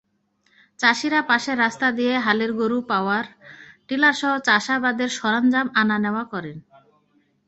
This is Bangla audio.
চাষিরা পাশের রাস্তা দিয়ে হালের গরু, পাওয়ার টিলারসহ চাষাবাদের সরঞ্জাম আনা-নেওয়া করেন।